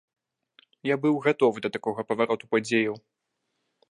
Я быў гатовы да такога павароту падзеяў.